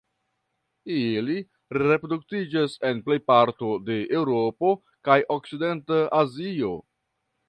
Ili reproduktiĝas en plej parto de Eŭropo kaj okcidenta Azio.